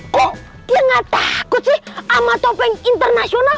kok dia gak takut sih sama topeng internasional